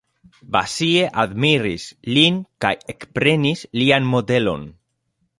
Basie admiris lin kaj ekprenis lian modelon.